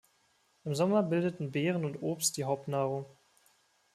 Im Sommer bildeten Beeren und Obst die Hauptnahrung.